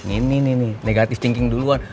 ini nih negative thinking duluan